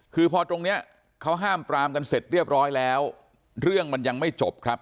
คือพอตรงนี้เขาห้ามปรามกันเสร็จเรียบร้อยแล้วเรื่องมันยังไม่จบครับ